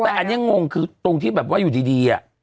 แต่อันนี้งงคือตรงที่แบบว่าอยู่ดี